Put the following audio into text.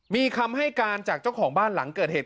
มีคำให้การจากเจ้าของบ้านหลังเกิดเหตุ